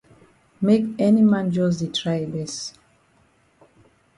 Make any man jus di try yi best.